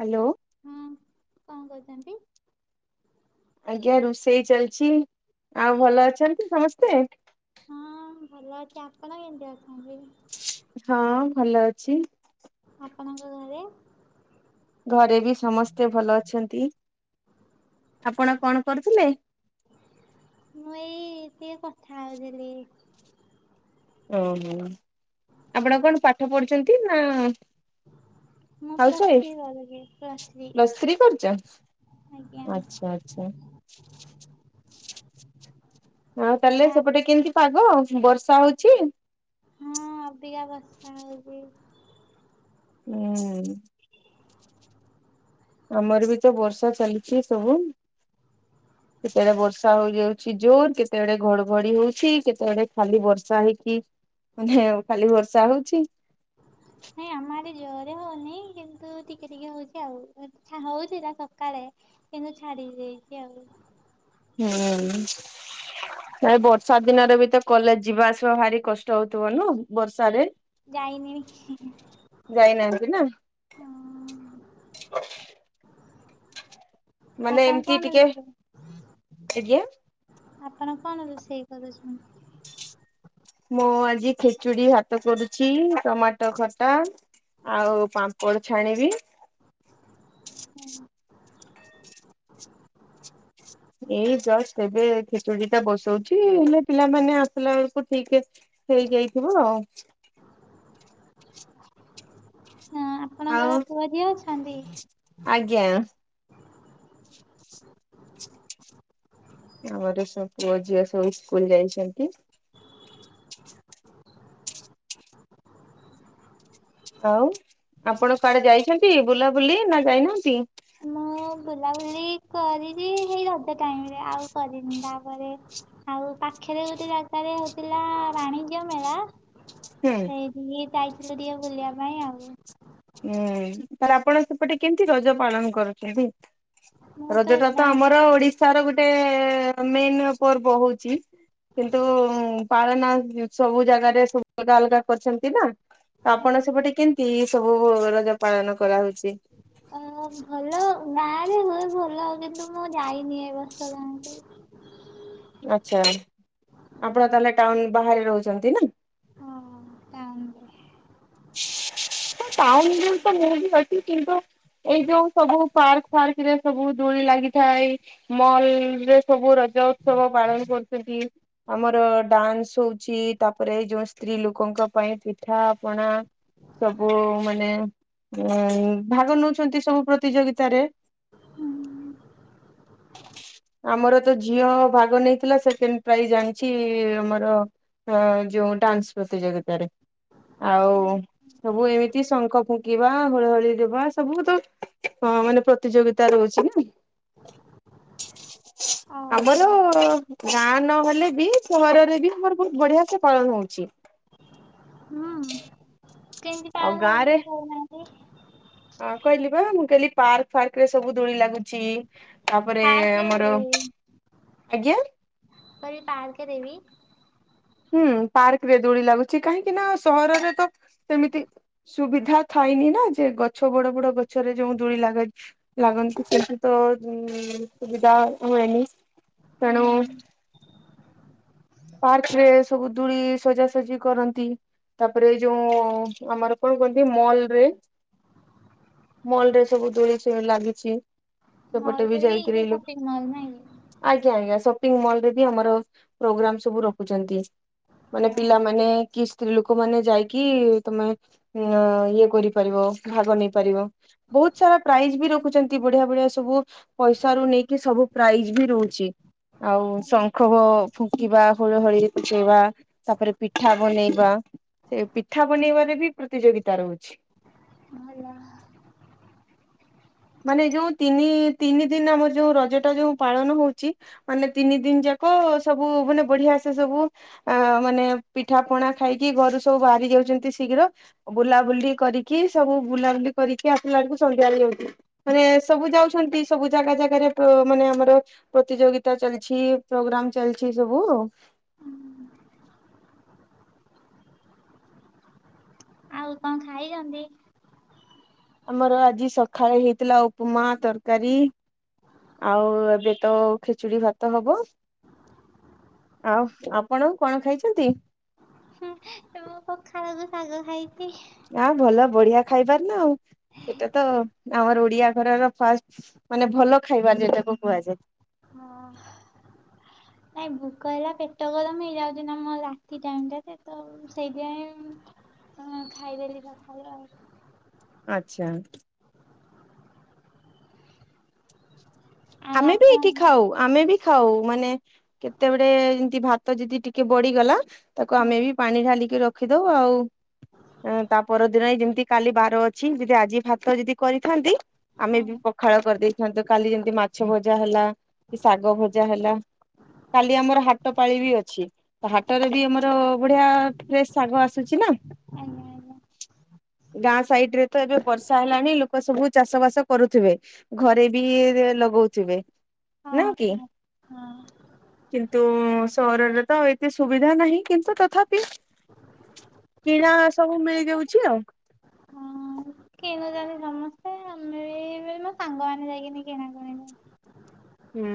Hello ହଁ କଣ କରୁଚନ୍ତି? ଆଜ୍ଞା ରୁଷେଇ ଚାଲିଚି ଆଉ ଭଲ ଅଛନ୍ତି ସମସ୍ତେ ହଁ ଭଲ ଅଛି, ଆପଣ କେମିତି ଅଛନ୍ତି? ହଁ ଭଲ ଅଛି। ଆପଣଙ୍କ ଘରେ ଘରେ ବି ସମସ୍ତେ ଭଲ ଅଛନ୍ତି, ଆପଣ କଣ କରୁଥିଲେ? ମୁଁ ଏଇ ଟିକେ କଥା ହଉଥିଲି ଓହୋ ଆପଣ କଣ ପାଠ ପଢୁଛନ୍ତି ନା ମୁଁ ହାଉସ ପ୍ଲସ ୱାଇଫ୍ ଥ୍ରୀ କରୁଚି ପ୍ଲସ ଥ୍ରୀ ପ୍ଲସ୍ କରୁଛ? ଆଜ୍ଞା ଆଚ୍ଛା ଆଚ୍ଛା ଆଉ ତାହେଲେ ସେପଟେ କେମିତି ପାଗ ବର୍ଷା ହଉଛି ହଁ ଅବିକା ବର୍ଷା ହଉଛି ହୁଁ [inaudible] ଆମର ବି ତ ବର୍ଷା ଚାଲିଛି ସବୁ କେତେବେଳେ ବର୍ଷା ହଇଯାଉଛି ଜୋର କେତେବେଡେ ଘଡଘଡି ହଉଛି କେତେବେଳେ ଖାଲି ବର୍ଷା ହେଇକି ମାନେ ଆଉ ଖାଲି ବର୍ଷା ହଉଛି ନାଇଁ ଆମ ଆଡ଼େ ଜୋରେ ହଉନି କିନ୍ତୁ ଟିକେ ଟିକେ ହଉଚି ଆଉ ହଉଛି ସକାଳେ କିନ୍ତୁ ଛାଡ଼ି ଦେଇଛି ଆଉ ହୁଁ ବର୍ଷା ଦିନରେ ବି ତ କଲେଜ ଯିବା ଆସିବା ଭାରି କଷ୍ଟ ହଉଥିବ ନୁ ବର୍ଷାରେ ଯାଇନି ହଁ ଯାଇନାହାନ୍ତି ନା ମାନେ ଆପଣ ଏମିତି କଣ ଟିକେ ଆଜ୍ଞା [unintelligible] ଆପଣ କଣ ରୁଷେଇ କରୁଛନ୍ତିୁ ମୁଁ ଆଜି ଖେଚୁଡି ଭାତ କରୁଛି ଟମାଟୋ ଖଟା ଆଉ ପାମ୍ପଡ଼ ଛାଣିବି ହୁଁ ଏଇ ଜଷ୍ଟ ଏବେ ଖେଚୁଡି ଟା ବସଉଛି ହେଲେ ପିଲାମାନେ ଆସିଲା ବେଳକୁ ଠିକ୍ ହେଇ ଯାଇଥିବ ଆଉ। ହଁ ଆପଣଙ୍କର ଆଉ ପୁଅ ଝିଅ ଅଛନ୍ତି? ଆଜ୍ଞା। ଆମର ସବୁ ପୁଅ ଝିଅ ସବୁ ସ୍କୁଲ ଯାଇଛନ୍ତି। ଆଉ ଆପଣ କୁଆଡ଼େ ଯାଇଛନ୍ତି ବୁଲାବୁଲି ନା ଯାଇ ନାହାନ୍ତି? ମୁଁ ବୁଲାବୁଲି କରିଲି ସେଇ ରଜ ଟାଇମରେ ଆଉ କରିନି ତାପରେ। ଆଉ ପାଖରେ ଗୋଟେ ଜାଗାରେ ହଉଥିଲା ବାଣିଜ୍ୟ ମେଳା ହୁଁ। ସେଇଠିକି ଯାଇଥିଲୁ ଟିକେ ବୁଲିବା ପାଇଁ ଆଉ। ହୁଁ, ତାହେଲେ ଆପଣ ସେପଟେ କେମତି ରଜ ପାଳନ କରୁଛନ୍ତି? ମୁଁ ରଜଟା ତ ଗାଁ ଆମର ଓଡିଶ ର ଗୋଟେ ମେନ୍ ପର୍ବ ହଉଛି। କିନ୍ତୁ ପାଳନା ସବୁ ଜାଗାରେ ସବୁ ଅଲଗା ଅଲଗା କରିଛନ୍ତି ନା। ତ ଆପଣ ସେପଟେ କେମିତି ସବୁ ରଜ ପାଳନ କରାହଉଛି? ଅ ଭଲ। ଗାଁରେ ହୁଏ ଭଲ କିନ୍ତୁ ମୁଁ ଯାଇନି ଏ ବର୍ଷ ଗାଁକୁ। ଆଚ୍ଛା ଆପଣ ତାହେଲେ ଟାଉନ ବାହାରେ ରହୁଛନ୍ତି ନା? ହଁ ଟାଉନ ରେ। ହଁ ଟାଉନରେ ବି ତ ମୁଁ ବି ଅଛି କିନ୍ତୁ ଏଇ ଯୋଉ ସବୁ ପାର୍କ-ଫାର୍କ ରେ ସବୁ ଦୋଳି ଲାଗିଥାଏ। ମଲ୍ ରେ ସବୁ ରଜ ଉତ୍ସବ ପାଳନ କରୁଛନ୍ତି, ଆମର ଡାନ୍ସ ହଉ ଛି ତାପରେ ଏଇ ଯୋଉ ସ୍ତ୍ରୀ ଲୋକଙ୍କ ପାଇଁ ପିଠା, ପଣା- [inaudible] ସବୁ ମାନେ ଉ ଉ ଭାଗ ନଉଛନ୍ତି ସବୁ ପ୍ରତିଯୋଗିତାରେ। ହୁଁ। ଆମର ତ ଝିଅ ଭାଗ ନେଇଥିଲା ସେକେଣ୍ଡ ପ୍ରାଇଜ ଆଣିଛି ଆମର ଯୋଉ ଡାନ୍ସ ପ୍ରତିଯୋଗିତାରେ। ଆଉ ସବୁ ଏମିତି ଶଙ୍ଖ ଫୁଙ୍କିବା, ହୁଳାହୁଳି ଦେବା ସବୁ ତ ହଁ ମାନେ ପ୍ର ତିଯୋଗିତା ରହୁଛି ନା। ଓହୋ ଆମର ଗାଁ ନହେଲେ ବି ସହରରେ ବି ଆମର ବହୁତ ବଢିଆ ସେ ପାଳନ ହଉଛି। ହୁଁ କେନ୍ତି ଆଉ ପାଳନ ହେଉଛି ଟିକେ କହୁନାହାନ୍ତି? ହଁ କହିଲି ବା ମୁଁ କହିଲି ପାର୍କ-ଫାର୍କ ରେ ସବୁ ଦୋଳି ଲାଗୁଛି ତାପରେ ପାର୍କ ଆମର, ଲଗେଇଦେବି ଆଜ୍ଞା? କହିଲି ପାର୍କ ରେ ବି? ହୁଁ, ପାର୍କରେ ଦୋଳି ଲାଗୁଛି। କାହିଁକି ନା ସହରରେ ତ ସେମିତି ସୁବିଧା ଥାଇନି ନା। ଯେ ଗଛ ବଡ ବଡ ଗଛରେ ଯୋଉ ଦୋଳି ଲାଗ ଲାଗନ୍ତି ସେଠି ତ ସୁବିଧା ହୁଏନି ହୁଁ ତେଣୁ ପାର୍କ ରେ ସବୁ ଦୋଳି ସଜାସଜି କରନ୍ତି। ତାପରେ ଯୋଉ ଆମର କଣ କହନ୍ତି ମଲ ରେ ମଲରେ ସବୁ ଦୋଳି-ଫୋଳି ଲାଗିଚି। ମଲରେ [unintelligible] ଯୋଉ ସପିଂ ମଲ ନାଇଁ କି? ଆଜ୍ଞା ଆଜ୍ଞା ସପିଂ ମଲରେ ବି ଆମର ପ୍ରୋଗ୍ରାମ ସବୁ ରଖୁଛନ୍ତି। ମାନେ କି? ପିଲାମାନେ କି ସ୍ତ୍ରୀ ଲୋକ ମାନେ ଯାଇକି ତମେ ଇଏ କରିପାରିବ ଭାଗ ନେଇପାରିବ। ବହୁତ ସାରା ପ୍ରାଇଜ ବି ରଖୁଛନ୍ତି ବଢିଆ ବଢିଆ ସବୁ ପଇସା ରୁ ନେଇକି ସବୁ ପ୍ରାଇଜ ବି ରହୁଛି। ଆଉ ଶଙ୍ଖ ଫୁଙ୍କିବା, ହୁଳହୁଳି ପକେଇବା, ତାପରେ ପିଠା ବନେଇବା ଏ ପିଠା ବନେଇବାରେ ବି ପ୍ରତିଯୋଗିତା ରହୁଛି। ଭଲ। ମାନେ ଯୋଉ ତିନି ତିନି ଦିନ ଆମର ଯୋଉ ରଜ ଟା ଯୋଉ ପାଳନ ହଉଚି ମାନେ ତିନି ଦିନି ଯାକ ସବୁ ମାନେ ବଢିଆ ସେ ସବୁ ଆଁ ମାନେ ପିଠା ପଣା ଖାଇକି ଘରୁ ସବୁ ବାହାରି ଯାଉଚନ୍ତି ଶୀଘ୍ର ବୁଲାବୁଲି କରିକି ସବୁ ବୁଲାବୁଲି କରିକି ଆସିଲା ବେଳକୁ ସନ୍ଧ୍ୟା ହେଇଯାଉଚି। ମାନେ ସବୁ ଯାଉଛନ୍ତି ସବୁ ଜାଗା ଜାଗାରେ ପ ମାନେ ଆମର ପ୍ରତିଯୋଗିତା ଚାଲିଛି ପ୍ରୋଗ୍ରାମ ଚାଲିଛି ସବୁ। ଆଉ କଁ ଖାଇଚନ୍ତି? ଆମର ଆଜି ସଖାଳେ ହେଇଥିଲା ଉପ୍ ମା ତରକାରୀ। ଆଉ ଏବେ ତ ଖେଚୁଡି ଭାତ ହବ। ଆଉ ଆପଣ କଣ ଖାଇଛନ୍ତି? ହୁଁ ମୁଁ ପଖାଳ କୁ ଶାଗ ଖାଇଚି। ଆ ଭଲ ବଢିଆ ଖାଇବାର ନା ଆଉ ସେଟା ତ ଆମର ଓଡିଆ ଘରର ଫାଷ୍ଟ୍ ମାନେ ଭଲ ଖାଇବାର ଯେଟାକୁ କୁହାଯାଏ। ହଁ। ନାଇଁ ଭୋକ ହେଲା ପେଟ ଗରମ୍ ହେଇଯାଉଚି ନା ମୋ ରାତି ଟାଇମ୍ ଟା ରେ ତ ସେଇଥିପାଇଁ ହଁ ଖାଇଦେଲି ପଖାଳ ଉ। ଆଚ୍ଛା। ଆଉ ଆମେ ବି ଆପଣ ଏଠି ଖାଉ ଆମେ ବି ଖାଉ ମାନେ କେତେବେଳେେ ଏମ୍ ତି ଭାତ ଯିଦି ଟିକେ ବଡିଗଲା ତାକୁ ହଁ ଆମେ ବି ପାଣି ଢାଲିକି ରଖିଦଉ ଆଉ ଏଁ ତା ପରଦିନ ଏଇ ଯେମିତି କାଲି ବାର ଅଛି ଯି ଆଜି ଭାତ ଯିଦି କରିଥାନ୍ତି ଆମେ ହଁ ବି ପଖାଳ କରିଦେଇଥାନ୍ତୁ କାଲି ଯେମିତି ମାଛ ଭଜା ହେଲା କି ଶାଗ ଭଜା ହେଲା କାଲି ଆମର ହାଟ ପାାଳି ବି ଅଛି। ହାଟରେ ବି ଆମର ବଢିଆ ଫ୍ରେଶ୍ ଶାଗ ଆସୁଛି ନା। ଆଜ୍ଞା ଆଜ୍ଞା। ଗାଁ ସାଇଡ୍ ରେ ତ ଏବେ ବର୍ଷା ହେଲାଣି ଲୋକ ସବୁ ଚାଷ ବାସ କରୁଥିବେ ଘରେ ବି ଲଗଉଥିବେ ନା ହଁ କି? ହଁ। ଉ ସହରରେ ତ ଏତେ ସୁବିଧା ନାହିଁ କିନ୍ତୁ ତଥାପି କିଣା ସବୁ ମିଳିଯାଉଛି ଆଉ। କିଣୁଚନ୍ତି ସମସ୍ତେ ଆମେ ବି ମୋ ସାଙ୍ଗମାନେ ଯାଇକିନି କିଣାକିଣି ହୁଁ।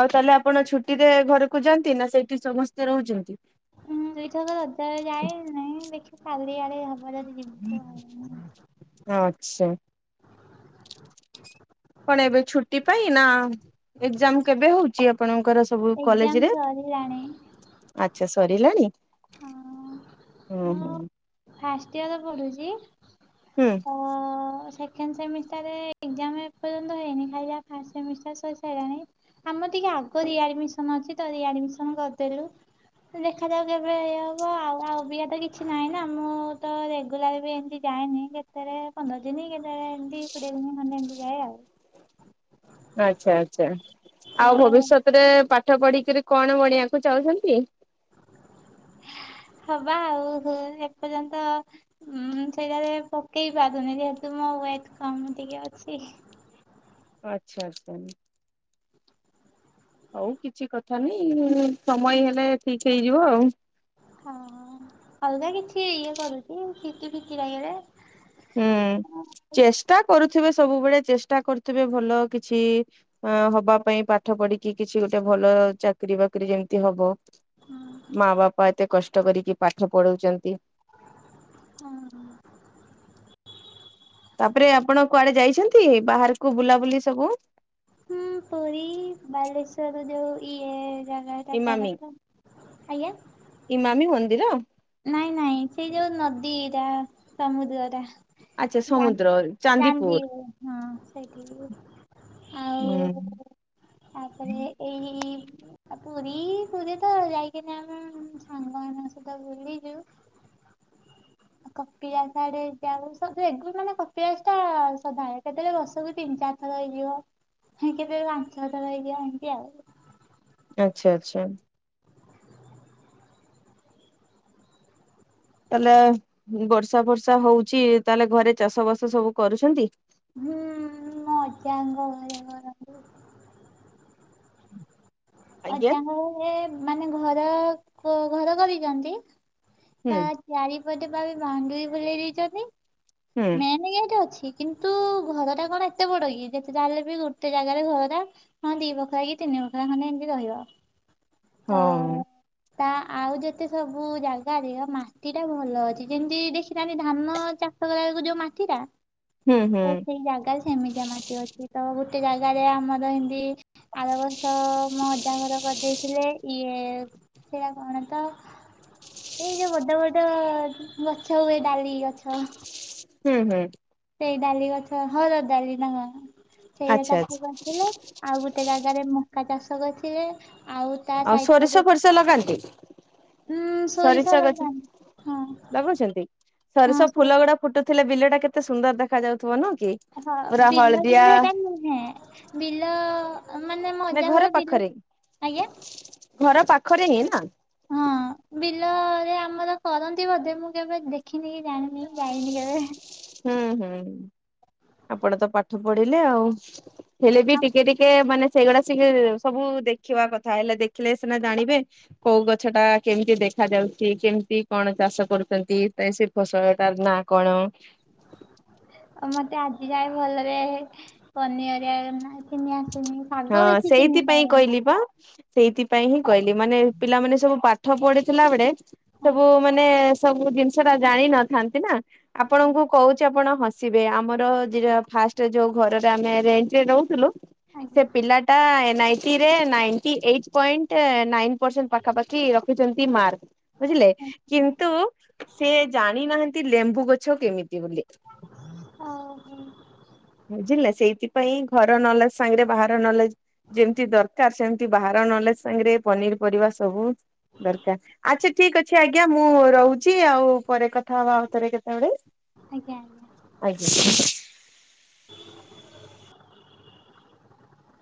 ଆଉ ତାହେଲେ ଆପଣ ଛୁଟିରେ ଘରୁକୁ ଯାନ୍ତି ନା ସେଇଠି ସମସ୍ତେ ରହୁଚନ୍ତି? ଦୁଇ ଛକ ରବ୍ ବାରେ ଯାଏ ନାଇଁ ଦେଖିବା କାଲି ଆଡେ ହବ ଯଦି ଯିବୁ ଆଉ। ଆଚ୍ଛା। କଣ ଏବେ ଛୁଟି ପାଇଁ ନା ଏକଜାମ୍ କେବେ ହଉଚି ଆପଣଙ୍କର ସବୁ ଏକ୍ଜାମ କଲେଜରେ? ସରିଲାଣି ଆଚ୍ଛା ସରିଲାଣିି ହୁଁ ହୁଁ। ଫାଷ୍ଟ୍ ଇୟର ପଡ଼ୁଚି। ହୁଁ। ଆଉ ସେକେଣ୍ଡ୍ ସେମିଷ୍ଟାରେ ଏକଜାମ୍ ଏପର୍ଯ୍ୟନ୍ତ ହେଇନି ଖାଲି ଯା ଫାଷ୍ଟ୍ ସେମିଷ୍ଟାର ସରିସାରିଲାଣି। ଆମର ଟିକେ ଆଗ ରିଆଡ୍ ମିସନ ଅଛି ତ ରିଆଡ୍ ମିସନ କରିଦେଲୁ। ଦେଖାାଯାଉ କେବେ ଇଏ ହବ ଆଉ ଆଉ ଅବିକା ତ କିଛି ନାହିଁ ନା ମୁଁ ମୁଁ ତ ରେଗୁଲାର ବି ଏମିତି ଯାଏନି କେତେଥର ପନ୍ଦର ଦିନ କେତେଥର ଏମତି କୋଡ଼ିଏ ଦିନ ଖଣ୍ଡେ ଏମିତି ଯାଏ ଆଉ। ଆଛା ଆଚ୍ଛା ତ ଆଉ ଭବିଷ୍ୟତ୍ ରେ ପାଠ ପଢ଼ିକରି କଣ ବଣିବାକୁ ଚାହୁଛନ୍ତି? ହବା ଆଉ ଏପର୍ଯ୍ୟନ୍ତ ହୁଁ ସେଇଟା ପାଇଁ ପକେଇ ପାରୁନି ଯେହେତୁ ମୋର ୱେଟ୍ କମ୍ ଟିକେ ଅଛି। ଆଚ୍ଛା ଆଚ୍ଛା। ହଉ କିଛି କଥା ନି ସମୟ ହେଲେ ଠିକ୍ ହେଇଯିବ। ହଁ ଆଲରେଡି ଠିକ୍ ଇଏ କରିଚୁ କିଛି କିଛି ଜାଗାରେ ହୁଁ ଚେଷ୍ଟା କରୁଥିବେ ସବୁବେଳେ ଚେଷ୍ଟା କରୁଥିବେ ଭଲ କିଛି ଅ ହବା ପାଇଁ ପାଠ ପଢ଼ିକି କିଛି ଗୋଟେ ଭଲ ଚାକିର ବାକିରି ଯେମିତି ହବ। ହଁ। ମା ବାପା ଏତେ କଷ୍ଟ କରିକି ପାଠ ପଢ଼ଉଛନ୍ତି। ହଁ। ତାପରେ ଆପଣ କୁଆଡ଼େ ଯାଇଛନ୍ତି ବାହାରକୁ ବୁଲାବୁଲି ସବୁ? ହୁଁ ପୁରୀ ବାଲେଶ୍ଵରରୁ ଯଉ ଇଏ ଜାଗା ଏଟା କଣ ତ? ଇ ମାନିବ ଇମତି ରେ? ନାଇଁ ନାଇଁ ସେଇଟା ନଦୀଟା ସମୁଦ୍ର ଟା। ଆଚ୍ଛା ସମୁଦ୍ର [inaudible] ଚାନ୍ଦି ଚାନ୍ଦିପୁର ହଁ ସେଇଠି ହୁଁ। ଆଉ ତାପରେ ଏଇ ପୁରୀ ପୁରୀ ତ ଯାଇକିନା ସାଙ୍ଗମାନଙ୍କ ସହିତ ବୁଲିଚୁ। [inaudible] କପିଳାଶ ଆଡ଼େ ଯାଉ ସେଇଟା କପିଳାଶଟା କେତେବେଳେ ବର୍ଷକୁ ତିନି ଚାରି ହେଇଯିବ କେତେବେଳେ ପାଞ୍ଚ ଛଅ ଥର ହେଇଯିବ ଏମିତି ଆଉ ଆଚ୍ଛା ଆଚ୍ଛା। ତାହେଲେ ବର୍ଷା ଫର୍ଷା ହଉଛି ତାହେଲେ ଘରେ ଚାଷ ବାସ ସବୁ କରୁଛନ୍ତି? ହୁଁ ମୋ ଅଜ୍ୟାଙ୍ଗ ଘରେ ଘର [unintelligible] ଆଜ୍ଞା। ଅଜାଙ୍କ ଘର ମାନେ ଘର ଘର କରିଛନ୍ତି। ହୁଁ ତା ଚାରିପଟେ ପା ବାଉଣ୍ଡରି ବୁଲେଇ ଦେଇଛନ୍ତି। ହୁଁ ମେନ୍ ଗେଟ୍ ଅଛି କିନ୍ତୁ ଘରଟା କଣ ଏତେ ବଡ଼ କି ଯେତେ ତାହେଲେ ବି ଗୋଟେ ଜାଗାରେ ଘର ହଁ ଦି ବଖରା କି ତିନି ବଖରା ଖଣ୍ଡେ ଏମତି ରହିବ ତ ହଁ ତା ଆଉ ଯେତେ ସବୁ ଜାଗାରେ ମାଟିଟା ଭଲ ଅଛି ଯେମିତି ଦେଖିଥାନ୍ତି ଧାନ ଚା ଯଉ ମାଟିଟା ହୁଁ ତ ହୁଁ ସେଇ ଜାଗା କେମିତିଆ ମାଟି ଅଛି ତ ଗୋଟେ ଜାଗାରେ ଆମର ଏମିତି ଆର ବର୍ଷ ମୋ ଅଜା ଘର କରିଦେଇଥିଲେ ଇଏ ସେଇଆ କଣ ତ ଏଇ ଯ ବଡ ବଡ ଗଛ ହୁଏ ଡାଲି ଗଛ ହୁଁ ହୁଁ [inaudible] ସେଇ ଡାଲି ଗଛ ହରଡ଼ ଡାଲି ନୁହ ସେଇ ଆଚ୍ଛା ଚାଷ ଆଚ୍ଛା। କରିଥିଲୁ। ଆଉ ଗୋଟେ ଜାଗାରେ ମକା ଚାଷ କରିଥିଲେ ଆଉ ତା ଆଉ ସାଇଡ ସୋରିଷ ପଟେ ପରିଷ ଲଗାନ୍ତି? ଉଁ ସୋରିଷ ଗଛ ଲଗାନ୍ତି ହଁ ଲଗଉଛନ୍ତି ହଁ ସୋରିଷ ସୋ ଫୁଲ ଗୁଡ଼ା ଫୁଟୁଥିଲେ ବିଲ ଟା କେତେ ସୁନ୍ଦର ଦେଖା ଯାଉଥିବ ନୁହଁ କି? ହଁ ପୁରା ବିଲ ହଳଦିଆ ବିିଲ ହେଟ ହଁ ବିଲ ମାନେ ମୋ ନା ଅଜା ଘର ବିଲ ପାଖରେ ଆଜ୍ଞା। ଘର ପାଖରେ ହିଁ ନା। ହଁ ବିଲରେ ଆମର କରନ୍ତି ବୋଧେ ମୁଁ କେବେ ଦେଖିନି କି ଜାଣିନି ଯାଇନି କେବେ। ହୁଁ ହୁଁ ହୁଁ ଆପଣ ତ ପାଠ ପଢିଲେ ଆଉ ହେଲେ ବି ଟିକେ ଟିକେ। ଟିକେ ମାନେ ସେଇଗୁଡା ସିଏ ସବୁ ଦେଖିବା କଥା ହେଲେ ଦେଖିଲେ ସିନା ଜାଣିବେ। କୋଉ ଗଛ ଟା କେମିତି ଦେଖା ଯାଉଛି କେମିତି କଣ ଚାଷ କରୁଛନ୍ତି ତ ସେ। ଫସଲ ତାର ନା କଣ। ଉ ମୋତେ ଆଜି ଯାଏ ଭଲରେ ପନିପରିବା ନିହାତି ନିହାତି। [unintelligible] ହଁ ସେଇଥିପାଇଁ କହିଲି ପା। ସେଇଥିପାଇଁ ହିଁ କହିଲି ମାନେ ପିଲାମାନେ ସବୁ ପାଠ ପଢିଥିଲା ବେଳେ ସବୁ ଆଜ୍ଞା ମାନେ। ସବୁ ଜିନିଷ ଟା ଜାଣିିନଥାନ୍ତି ନା ଆପଣଙ୍କୁ କହୁଛି ଆପଣ ହ। ହସିବେ ଆମର ଯି ଯା ଫାଷ୍ଟ ରେ ଯୋଉ ଘରଟା ଆମେ ରେଣ୍ଟରେ ରହୁଥିଲୁ ସେ ଆଜ୍ଞା ପିଲା। ଟା ନାଇଣ୍ଟିରେ ninety eight point nine percent ପାଖାପାଖି ର। ମାର୍ ବୁଝିଲେ କିନ୍ତୁ ସେ ଜାଣିନାହାନ୍ତି ଲେମ୍ବୁ ଗଛ। ଗଛ କେମିତି ବୋଲି। ଓହୋ ବୁଝିଲେ ସେଇଥିପାଇଁ ଘର ନଲେଜ୍ ସାଙ୍ଗରେ ବାହାର ନଲେଜ୍ ଯେମିତି ଦରକାର ସେମିତି। ବାହାର ନଲେଜ୍ ସାଙ୍ଗରେ ପନିର ପରିବା ସବୁ ଦରକାର ଆଚ୍ଛା ଠିକ୍ ଅଛି ଆଜ୍ଞା। ଆଜ୍ଞା ମୁଁ ରହୁଛି ଆଉ ପରେ କଥା ହବା ଆଉ ଥରେ କେତେବେଳେ। ଆଜ୍ଞା ଆଜ୍ଞା। ଆଜ୍ଞା। ଥିଲା [inaudible]